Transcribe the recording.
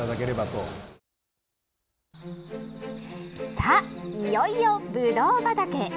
さあ、いよいよぶどう畑へ。